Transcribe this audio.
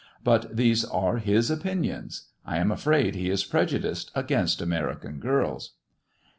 But these are his opinions. I am afraid he is prejudiced against American girls.'